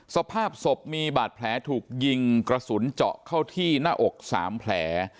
สภาพศพมีบาดแผลถูกยิงกระสุนเจาะเข้าที่หน้าอก๓แผล